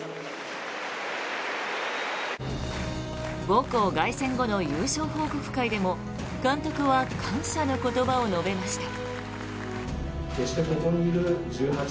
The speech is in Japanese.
母校凱旋後の優勝報告会でも監督は感謝の言葉を述べました。